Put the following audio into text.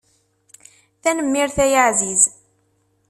Tanemmirt ay aεziz.